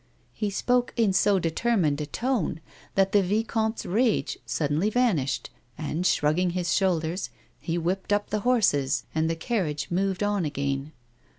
He spoke in so determined a tone that the vicomt e s rage suddenly vanished, and, shrugging his shoulders, he whipped up the horses, and the carriage moved on again.